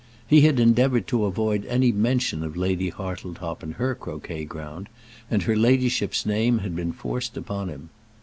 He had endeavoured to avoid any mention of Lady Hartletop and her croquet ground, and her ladyship's name had been forced upon him.